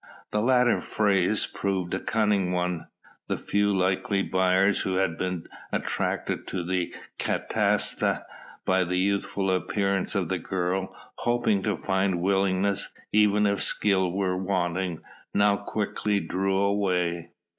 The latter phrase proved a cunning one. The few likely buyers who had been attracted to the catasta by the youthful appearance of the girl hoping to find willingness, even if skill were wanting now quickly drew away.